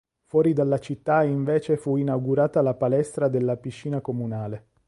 Fuori dalla città invece fu inaugurata la Palestra della Piscina Comunale.